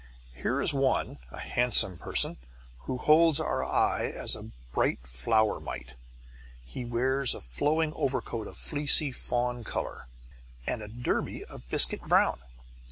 Here is one, a handsome person, who holds our eye as a bright flower might. He wears a flowing overcoat of fleecy fawn colour and a derby of biscuit brown.